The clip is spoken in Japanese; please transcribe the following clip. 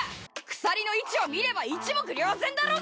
鎖の位置を見れば一目瞭然だろうが！